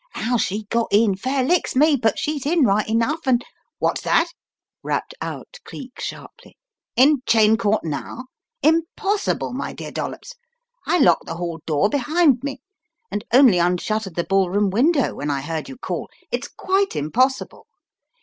How she got in, fair licks me, but she's in right enough and " "What's that?" rapped out Cleek, sharply. "In Cheyne Court now? Impossible, my dear Dollops. I locked the hall door behind me, and only unshuttered the ball room window when I heard you call. It's quite impossible!"